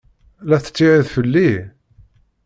La tettihiḍ fell-i?